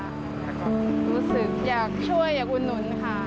รู้สึกอยากช่วยอยากอุดหนุนค่ะ